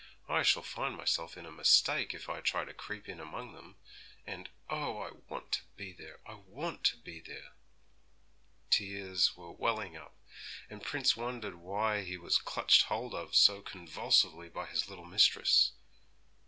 I shall find myself in a mistake if I try to creep in among them; and, oh! I want to be there, I want to be there!' Tears were welling up, and Prince wondered why he was clutched hold of so convulsively by his little mistress.